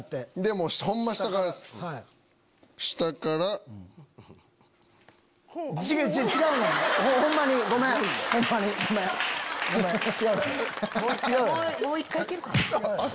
もう１回行けるかな。